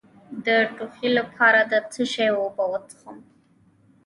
د ټوخي لپاره د څه شي اوبه وڅښم؟